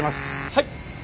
はい！